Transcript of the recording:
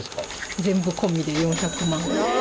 全部込みで４００万。え！？